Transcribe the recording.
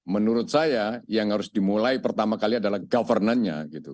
menurut saya yang harus dimulai pertama kali adalah governannya